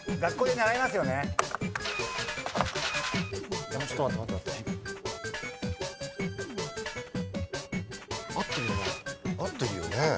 合ってるよね？